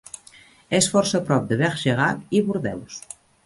És força a prop de Bergerac i Bordeus.